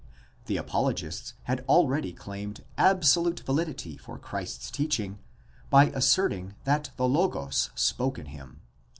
The apologists had already claimed absolute validity for Christ's teaching by asserting that the Logos spoke in him.